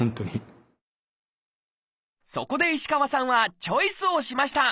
そこで石川さんはチョイスをしました！